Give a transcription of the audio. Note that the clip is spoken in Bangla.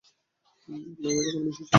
আপনার মেজর কোন বিষয়ে ছিল?